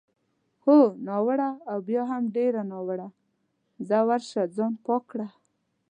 هو، ناوړه او بیا هم ډېر ناوړه، ځه ورشه ځان پاک کړه.